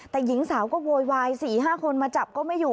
แต่หญิงสาวก็โวยวาย๔๕คนมาจับก็ไม่อยู่